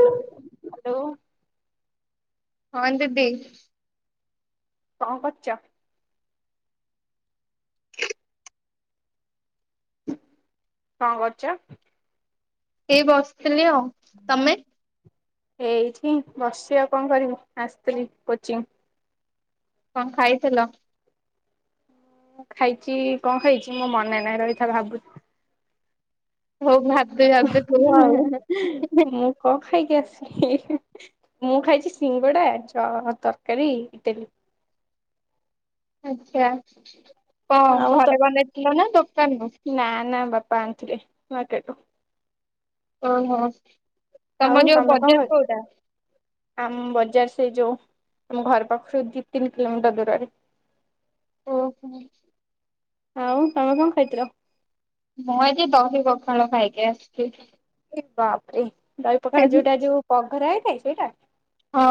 Hello. ହଁ ଦିଦି। କଣ କରୁଚ? କଣ କରୁଚ? ଏଇ ବସ୍ ସି ଥିଲି ଆଉ ତମେ? ହିଁ ବସିଛି ଆଉ କଣ କରିବି ଆସିଥିଲି କୋଚିଂ। କଣ ଖାଇଥିଲ? ମୁଁ ଖାଇଛି କଣ ଖାଇଛି ମୋ ମନେ ନାହିଁ ରହିଥା ଭାବୁଛି। ହଉ ଭାବି ଭାବି କୁହ ଆଉ ମୁଁ କଣ ଖାଇକି ଆସିଚି ମୁଁ ଖାଇଛି ସିଙ୍ଗଡା, ତରକାରୀ, ଇଟିଲି। ଆଚ୍ଛା। କଣ ଆଉ ତ ଘରେ ବନେଇଥିଲ ନା ଦୋକାନରୁ? ନାଁ ନାଁ ବାପା ଆଣିଥିଲେ ମାର୍କେଟରୁ। ଓହୋ। ତମର ଆଉ ଯୋଉ ତମେ କଣ ଖାଇ ବଜାର କୋଉଟା? ଆମ ବଜାର ସେ ଯୋଉ ଆମ ଘର ପାଖରୁ ଦି ତିନି କିଲୋମିଟର ଦୂରରେ। ଓହୋ। ଆଉ ତମେ କଣ ଖାଇଥିଲ? ମୁଁ ଆଜି ଦହି ପଖାଳ ଖାଇକି ଆସିଛି । ଏ ବାପରେ। ଦହି ପଖାଳ ଯୋଉଟା ଯୋଉ ବଘରା ହେଇ ଥାଏ ସେଇଟା? ହଁ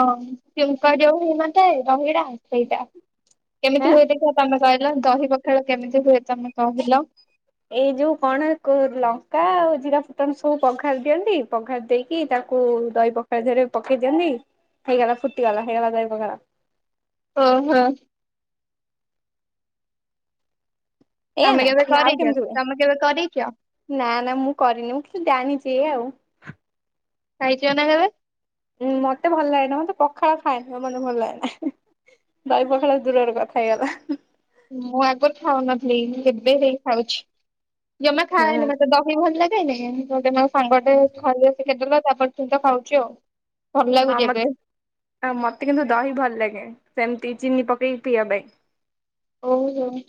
ଛୁଙ୍କ ଯୋଉ ହେଇନଥାଏ ଦହିଟା ସେଇଟା। ଆଁ? କେମିତି ହୁଏ ଦେଖିବା ତମେ କହିଲ ଦହି ପଖାଳ କେମିତି ହୁଏ ତମେ କହିଲ? ଏଇ ଯୋଉ କଣ ଲଙ୍କା ଆଉ ଜିରା ଫୁଟଣ ସବୁ ବଘାରି ଦିଅନ୍ତି ବଘାରି ଦେଇକି ତାକୁ ଦହି ପଖାଳ ଦେହରେ ପକେଇ ଦିଅନ୍ତି ହେଇଗଲା ଫୁଟିଗଲା ହେଇଗଲା ଦହି ପଖାଳ। ଓହୋ। ଏୟା ତମେ ନା କେବେ ନା ଆଉ କରିଛ କେମିତି ହୁଏ ତମେ କେବେ କରିଛ ନା ନା ମୁଁ କରିନି ମୁଁ କିଛି ଜାଣି ସେ ଆଉ। ଖାଇଛ ନା କେବେ? ଉଁ ମତେ ଭଲ ଲାଗେନ ମତେ ପଖାଳ ଖାଏନିବ ମତେ ଭଲ ଲାଗେନହିଁ ଦହି ପଖାଳ ଦୂରରେ କଥା ହେଇଗଲା। ମୁଁ ଆଗରୁ ଖାଉନଥିଲି କେବେ ହେଇ ଖାଉଛି। ଜମାେ ହୁଁ ଖାଏନି ମତେ ଦହି ଭଲ ଲାଗେ ାଇ ମ ସାଙ୍ଗ ଟେ ଖାଇବା ଶଖଦେଲା ତାପରେ ତମି ତ ଖାଉଛି ଆଉ। ଭଲ ହଁ ଲାଗୁଛି ଏବେ ମତେ ମତେ କିନ୍ତୁ ଦହି ଭଲ ଲାଗେ। ସେମତି ଚିନି ପକେଇକି ପିଇବା ପାଇଁ। ଓ ହଉ।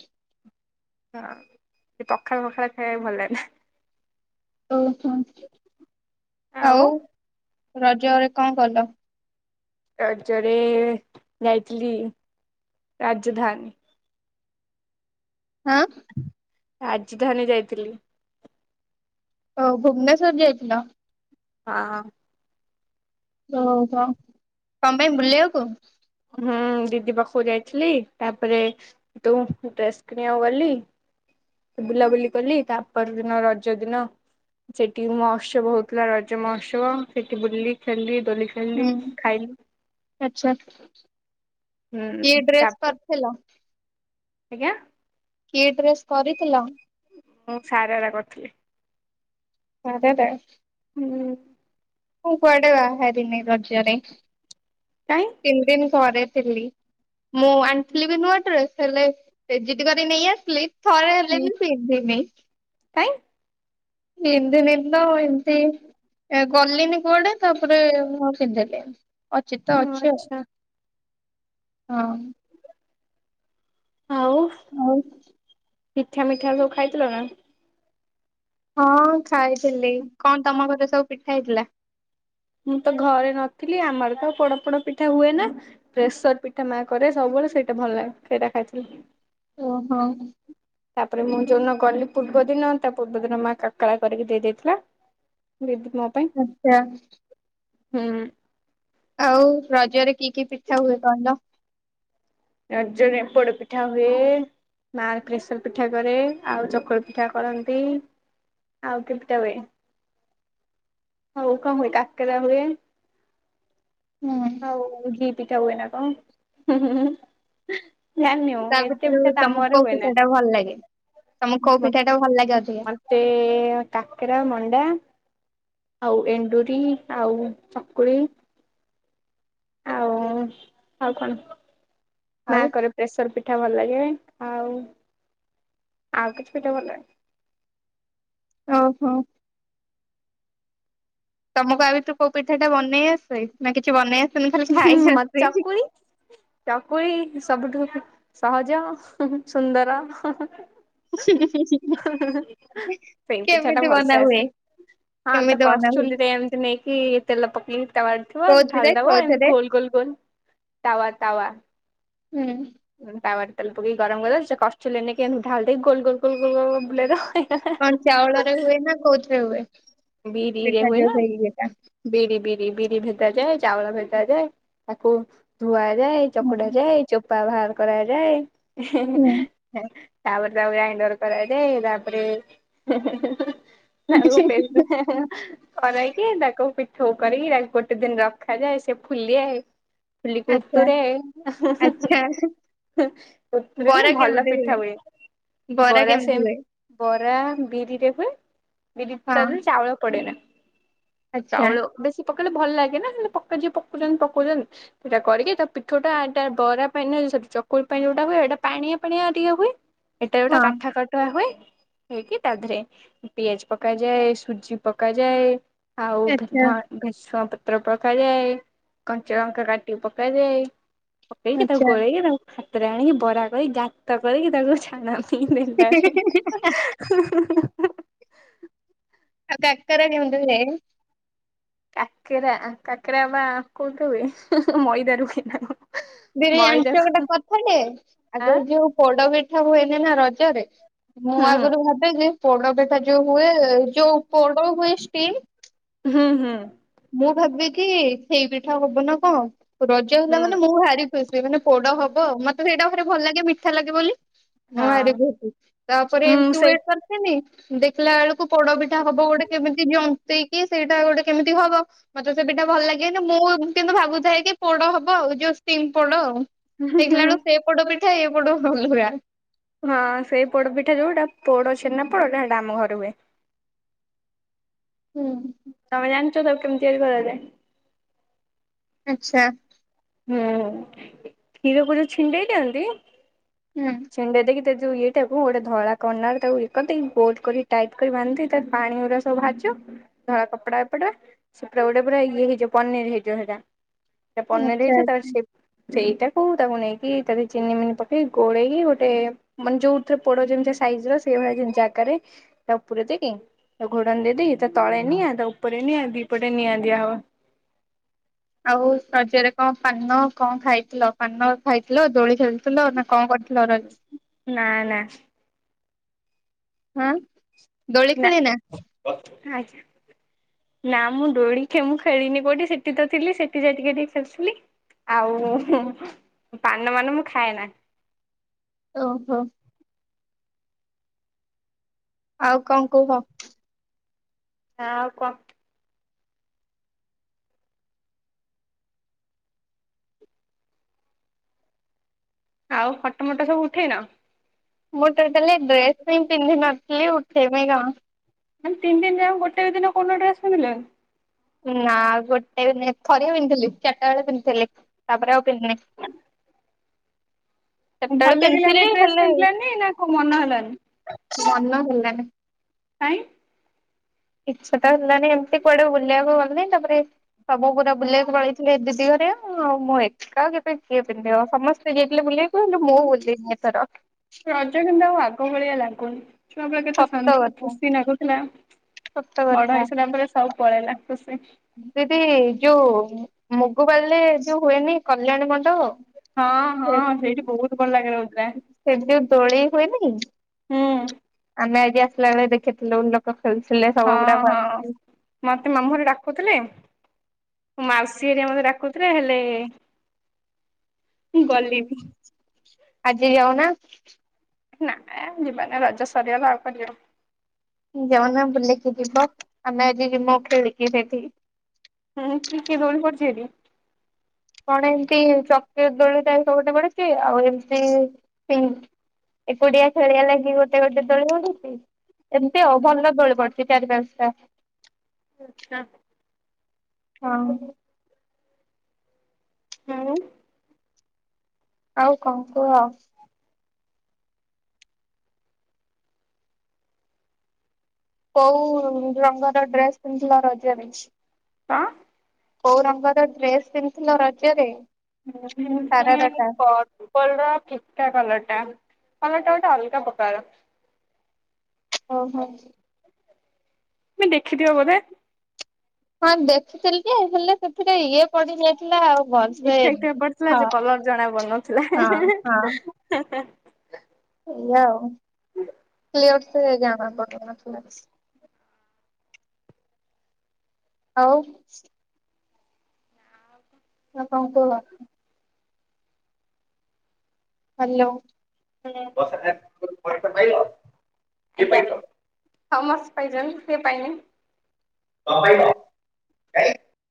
ହଁ ସେ ପଖାଳ ଫଖାଳ ଖାଇବା ଭଲ ହେଲା ଓହୋ ଆଉ। ରଜରେ କଣ କଲ? ରଜରେ ଯାଇଥିଲି ରାଜଧାନୀ ହଁ। ରାଜଧାନୀ ଯାଇଥିଲି। ଓ ଭୁବନେଶ୍ୱର ଯାଇଥିଲଥିଲା। ହଁ। ଓ କ କଣ ପାଇଁ ବୁଲେଇବାକୁ ହୁଁ ଦିଦି ପାଖକୁ ଯାଇଥିଲି ତାପରେ ତୁ ଡ୍ରେସ୍ କିଣିବାକୁ ଗଲି ବୁଲାବୁଲି କଲି ତାପର ଦିନ ରଜ ଦିନ ସେଠି ମହୋତ୍ସବ ହଉଥିଲା ରଜ ମହୋତ୍ସବ ସେଠି ବୁଲି ଖେଲି ଚଲି ଖେଣିଲି ହୁଁ ଖାଇଲି ହୁଁ କିଏ ଡ୍ରେସ୍ ତାପ କରିଥିଲା? ଆଜ୍ଞା। କିଏ ଡ୍ରେସ୍ କରିଥିଲ? ମୁଁ ସାରଡା କରିଥିଲି। ଆେଦେ। ହୁଁ। ହଁ କୁଆଡେ ବା ହେ ଦିନି ରଜରେ କାଇଁ ତିନ ଦିନ ସରେଥିଲି ମୁଁ ଆଣିଥିଲି ବି ନୂଆ ଡ୍ରେସ୍ ହେଲେଜିଦ କରି ନେଇ ଆସିଲି ଥରେ ହେଲେ ହୁଁ ବି ପିନ୍ତିମି। କାଇଁ ପିନ୍ଧିନି ତ ଏମିତି କଲିନି କୁଆଡେ ତାପରେ ମୁଁ ପିନ୍ଧେି ଅଚ ହ ଆଚଛା। ହଁ। ଆ ମିଠା ମିଠା ସବୁ ଖାଇଥିଲ ନା। ହଁ ଖାଇଥିଲି କଣ ତମ ପାଖରେ ସବୁ ପିଠା ହେଇଥିଲା। ମୁଁ ତ ଘରେ ନଥିଲି ଆମର ତ ପୋଡପୋଡ ପିଠା ହୁଏ ନା। ପ୍ରେସର ପିଠା ମା କରେ ସବୁବେଳେ ସେଇଟା ଭଲ ଲ ସେଇଟା ଖାଇଥିଲି। ଓହୋ। ତାପରେ ମୁଁ ଯୋଉନ ଗଲି ପୂର୍ବ ଦିନ ତା ପୂର୍ବ ଦିନ ମା କାକେରା କରିକି ଦେଇ ଦେଇଥିଲା। ଆଛା ହୁଁମ୍ ଆଉ ରଜରେ କି କି ପିଠା ହୁଏ କହିଲ? ରଜରେ ପୋଡ ପିଠା ହୁଏ-ଏ-ଏ। ମା ପ୍ରେସର ପିଠା କରେ ଆଉ ଚକୁଳି ପିଠା କରନ୍ତି। ଆଉ କିଏ ପିଠା ହୁଏ, ଆଉ କଣ ହୁଏ କାକେରା ହୁଏ। ହଁ। ଆଉ ଘି ପିଠା ହୁଏନା କଣ ଜାଣିନି ମୁଁ ତା ଏତେ ଭିତରୁ ପିଠା ତ ଆମ ତମକୁ ଘରେ କୋଉ ହୁଏ ନା। ପିଠା ଟା ଭଲ ଲାଗେ, ତମକୁ କୋଉ ପିଠା ଟା ଭଲ ଲାଗେ? ଅଧିକା? ମତେ କାକେରା, ମଣ୍ଡା ଆଉ ଏଣ୍ଡୁରି, ଆଉ ଚକୁଳି ଆଉ-ଉ-ଉ, ଆଉ କଣ ମା ଆଉ କରେ ପ୍ରେସର ପିଠା ଭଲ ଲାଗେ-ଏ-ଏ ଆଉ, ଆଉ କିଛି ପିଠା ଭଲ ଲାଗେନି। ଓହୋ। ତମକୁ ଆ ଭିତରୁ କୋଉ ପିଠା ଟା ବନେଇ ଆସେ, ନା କିଛି ବନେଇ ଆସେ ଆସେନି ଖାଲି ଖାଇ ମତେ ଚକୁଳି, ଚକୁଳି ସବୁଠୁ ସହଜ, ସୁନ୍ଦର ସେଇ ପିଠା ଟା କେମିତି ଭଲସେ ବନା ହୁଏ, ଆସେ। କେମିତି ବନା ହୁଏ? କି-ଇ-ଇ ତେଲ ପକେଇ ତାୱା ରେ ଥିବ କୋଉଥିରେ ଢାଳି ଦେବ ଏମିତି କୋଉଥିରେ? ଗୋଲ ଗୋଲ ଗୋଲ ତାୱା ତାୱା ହୁଁ। ତାୱାରେ ତେଲ ପକେଇ ଗରମ କର ସେ କଷ୍ଚୁଲି ନେଇକି ଏମିତି ଢାଲ ଦେଇ ଗୋଲ ଗୋଲ ଗୋଲ-ଲ-ଲ ଗୋଲ ବୁଲେଇ ଦବ କଣ ଚାଉଳରେ ହୁଏ ନା କୋଉଥିରେ ହୁଏ? ବିରିରେ ପିଠା ହୁଏ ଯୋଉ ନା ସେଇ ଇଏଟା। ବିରି। ବିରି ବିରି ଭେଦା ଯାଏ, ଚାଉଳ ଭେଦା ଯାଏ, ତାକୁ ଧୁଆ ଯାଏ, ହୁଁ ଚକୁଡା ଯାଏ, ଚୋପା ବାହାର କରାଯାଏ। ହୁଁ [unintelligible] ତାପରେ ତା ବ ଗ୍ରାଇଣ୍ଡର କରାଯାଏ। ତାପରେ [inaudible] କରାଇକି ତାକୁ ପିଠୋଉ କରିକି ତାକୁ ଗୋଟେ ଦିନ ରଖାଯାଏ ସେ ଫୁଲେ। ଫୁଲିକି ଆଚ୍ଛା ଉତୁରେ, ଆଚ୍ଛା ଉତୁୁରିଲେ ବରା ଭଲ କେମିତି ପିଠା ହୁଏ। ବରା କେମିତି ସେମ୍, ହୁଏ? ବରା ବିରିରେ ହୁଏ। ବିରି ହଁ ତାଲେ ପଡିଗଲା। ଆଚ୍ଛା ତଉଳ ବେଶି ପକେଇଲେ ଭଲ ଲାଗେ ନାଲେ ପକେଇ ପଉଛନ୍ତି ପଉଛନ୍ତି ସେଇଟା କରିକି ତା ପିଠଟା ବରା ପାଇଁ ସେ ଚକୁଳି ଯୋଉଟା ହୁଏ ଏଇଟା ପାଣିଆ ପାଣିଆ ଟିକେ ହୁଏ ଏଟା ଗୋଟେ ହଁ କାଠାଆ କଠୁଆ ହୁଏ। ହେ କି ତା ଦେହରେ ପିଆଜ ପକାଯାଏ ସୁଜି ପକାଯାଏ। ଆଉ ଆଚ୍ଛା ଭେସୁଆ ପତ୍ର ପତ୍ର ପକାଯାଏ କଞ୍ଚା ଲଙ୍କା କାଟି କି ପକାଯାଏ। ପକେଇକି ତାକୁ ଆଚ୍ଛା। ଗୋଲେଇକି ତା ପରେ ଆଣିକି ବରା କରି ଗାତ କରିକି ତାକୁ ଛାଣନ୍ତି। ନାରେ [unintelligible] ଆଉ କାକାରା କେମିତି ହୁଏ। କାକେରା କାକେରା ବା କୋଉଠ ହୁଏ ମଇଦା ରୁ ହୁଏ ନା କଣ। ବିରି ଆଣିଚ ମଇଦାକୁ ଗୋଟେ କଥାଟେ ଆଁ ଆଗରୁ ଯୋଉ ପୋଡ ପି ସବୁ ହୁଅନି ନା ରଜରେ। ମୁଁ ହୁଁ। ଆଗାରୁ ଭାବେ ଯେ ପୋଡ ପେଟା ଯୋଉ ହୁଏ ଯୋଉ ପୋଡ ହୁଏ ଷ୍ଟିମ୍ ହୁଁ ହୁଁ। ମୁଁ ଭାବେକି ସେଇ ପିଠା ହବ ନା କଣ। ରଜହେଲା ହୁଁ ମାନେ ମୁଁ ଭାରି ଖୁ ମାନେ ପୋଡ ହବ ମତେ ସେଇଟା ଭାରି ଭଲ ଲାଗେ ମିଠା ଲାଗେ ବୋଲି। ମୋ ଆଡେ ହଁ ବି ହେଚି ତାପରେ ହୁଁ ଏମତି ସେଇ ୱେଟ କରିଥିନି ଦେଖିଲା ବେଳକୁ ପୋଡ ବି ଟା ହବ ଗୋଟେ କେମିତି ଜନ ପିକି ସେଇଟା ଗୋଟେ କେମିତ ହବ ମତେ ସେ ପିଠା ଭଲ ଲାଗେନି ମୁଁ କିନ୍ତୁ ଭାବୁଥାଏ କି ପୋଡ ହବ ଆଉ ଯୋଉ ଷ୍ଟିମ୍ ପୋଡ ଆଉ। ସେଗିଳାଳୁ ସେ ପଟ ବି ଥେ ଏପଟୁ [unintelligible] ହଁ ସେଇ ପୋଡପିଠା ଯୋଉଟା ପୋଡ ଛେନା ପୋଡଟା ହେଟା ଆମ ଘରେ ହୁଏ। ହୁଁ। ତମେ ଜାଣିଚ ତାକୁ କେମିତି ତିଆରି କରାଯାଏ। ଆଚ୍ଛା। ହୁଁ କ୍ଷୀରକୁ ଯୋଉ ଛିଣ୍ଡେଇ ଦିଅନ୍ତି ହୁଁ ଛିଣ୍ଡେ ଦେଇ କି ସେ ଯୋଉ ଇଏ ଟାକୁ ଗୋଟେ ଧଳା କନାରେ ତାକୁ ଇଏ କରିଦେଇକି ଗୋଲ କରି ଟାଇଟ୍ କରିକି ବାନ୍ଧିଦେଇ ତା ପାଣି ଗୁଡା ସବୁ ବାହାରି ଯିବ ଧଳା କପଡା ଏପଟେ ସେ ପୁରା ଗୋଟେ ପୁରା ଇଏ ହେଇଯିବ ପନିର ହେଇଯିବ ସେଟା। ଆଛା। ସେପ୍ ସେଇଟାକୁ ତାକୁ ନେଇକି ତା ଦେହେରେ ଚିନି ମିନି ପକେଇ ଗୋଳେଇକି ଗୋଟେ ମାନେ ଯୋଉଥିରେ ପୋଡ ଯେମିତି ସାଇଜର ସେହି ଭଳିଆ କିନି ଜାଗାରେ ତାକୁ ପୁରେଇ ଦେଇକି ତାକୁ ଘୋଡଣି ଦେଇ ଦେଇକି ତା ତଳେ ନିଆଁ ତା ଉପରେ ନିଆଁ ଦି ପଟେ ନିଆଁ ଦିଆହବ। ଆଉ ରଜରେ କଣ ପାନ କଣ ଖାଇଥିଲ ପାନ ଖାଇଥିଲ ଦୋଳି ଖେଲିଥିଲ ନା କଣ କରିଥି ନା ନା। ହୁଁ। ନା। ନା ମୁଁ ଡୋଳିି ଖେ ମୁଁ ଖେଳନି କୋଠି ସେଠି ତ ଥିଲି ସେଠି ଜା ଟିକେ ଟିକେ ଖେଳୁଥିଲି ଆଉ ହୁଁ ପାନ ମାନ ମୁଁ ଖାଏ ନା। ଓ ହୋ। ଆଉ କଁ କୁହ। ଆଉ କଣ। ଆଉ ଫଟ ମଟ ସବୁ ଉଠେଇନ? ମୋର ତ ହେଲେ ଡ୍ରେସ୍ କାଇଁ ପିନ୍ଧିନ ଥିଲି ଉଠେଇନି ଆଉ। ଖାଲି ତିନି ଦିନ ଯାକ ଗୋଟେ ଦିନ କୋଉଦିନ ଡ୍ରେସ୍ ପିନ୍ଧିଲନି। ନା ଗୋଟେ ବି ନୁହେଁ ଥରେ ପିନ୍ଧିଥିଲି ଚାରିଟା ବେଳେ ପିନ୍ଧିଥିଲି ତାପରେ ଆଉ ପିନ୍ଧିନି। [unintelligible] ସେତେବେଳେ ଭଲ ଲାଗିଲାନି ପିନ୍ଧିଥିଲି ଡ୍ରେସ୍ ହେଲେ ପିନ୍ଧିଲନି ନା କଣ ମନ ହେଲାନି। ମନ ହେଲାନି। କାଇଁ? ଇଛା ତ ହେଲାନି ଏମିତି କୁଆଡେ ବୁଲିବାକୁ ଗଲିନି ତାପରେ ସବୁ ପୁରା ବୁଲିବାକୁ ପଳେଇଥିଲେ ଦିଦି ଘରିଆ ଆଉ ମୁଁ ଏକା ସେଥିପାଇଁ କିଏ ପିନ୍ଧିବ ସମସ୍ତେ ଯାଇଥିଲେ ବୁଲିବାକୁ ହେଲେ ମୁଁ ଗଲିନି ଏଥର। ରଜ କିନ୍ତୁ ଆଉ ଆଗ ଭଳିଆ ଲାଗୁନି ଛୁଆ ବେଳେ କେତେ ସତ ଶାନ୍ତି କଥା ଖୁସି ଲାଗୁଥିଲା ସତ ବଡ କଥା। ହେଇସାରିଲା ପରେ ସବୁ ପଳେଇଲା। ତ ସେ ଦିଦି ଯୋଉ ମୁଗ ଡାଲିରେ ଯୋଉ ହୁଏନି କ ହଁ ହଁ ସେଇଠି ବହୁତ ଭଲ ଖେଳ ହଉଥିଲା। ଯୋଉ ଦୋଳି ହୁଏନି କି? ହୁଁ ଆମେ ଆ କିଏ ଆସିଲା କି ନାଇ ଦେଖେଥିଲୁ ଲୋକ ଖେଳୁଥିଲେ ସବୁ ହଁ ଗୁଡା ହଁ ମତେ ମାମୁଁ ଘରେ ଡାକୁଥିଲେ ମୋ ମାଉସୀ ହେରା ମତେ ଡାକୁଥିଲେ ହେଲେ ମୁଁ ଗଲିନି ଗିଲିନି। ଆଜି ଯାଉନା। ନାଇଁ ଆଉ ଯିବାନି ରଜ ସରିଗଲା ଆଉ କଣ ଯିବା। ଯାଉନ ବୁଲିକି ଯିବ ଆମେ ଆଜି ଯିବୁ ଖେଳିବି ସେଠିକି। ହୁଁ କି କି ଦୋଳି ପଡ଼ିଛି ସେଠି? କଣ ଏମିତି ଚକ୍ରି ଦୋଳି ଟାଇପ୍ ର ଗୋଟେ ପଢିଛି ଆଉ ଏମିତିି ଏକୁଟିଆ ଖେଳିଆ ଲାଗି ଗୋଟେ ଗୋଟେ ଦୋଳି ପଢିଛି। ଏମିତି ଆଉ ଭଲ ଦୋଳି ପଡ଼ିଛି। ଛି ଚାରି ପାଞ୍ଚଟା। [unintelligible] ହଁ [unintelligible] ଆଉ କଣ କୁହ କୋଉ ରଙ୍ଗର ଡ୍ରେସ ପିନ୍ଧିଥିଲ ରଜ ରେ ହଁ କୋଉ ରଙ୍ଗର ଡ୍ରେସ ପିନ୍ଧିଥିଲ ରଜରେ [unintelligible] ସାରାରାଟା? ଓଲଟା ପାଲଟା ହଁ ଏଟା ଟିକେ ଅଲଗା ପ୍ରକାର ଓହୋ ତୁମେ ଦେଖିଥିବ ବୋଧେ ହଁ ଦେଖିଥିଲି ଯେ ହେଲେ ସେଥିରେ ଇଏ ପଡିଯାଇ ଇଫେକ୍ଟ ବି ପଡିଥିଲା ଯେ କଲର ଜଣା ପଡ଼ିନଥିଲା ହିଁ ହଁ ହିଁ ହିଁ ହେଲା ଆଉ [unintelligible] ଆଉ ଆଉ କଣ କୁହ ହ୍ୟାଲୋ ହ ପାଇ ପାଇନି [unintelligible] ତ ହ୍ୟାଲୋ। ପାଇଁ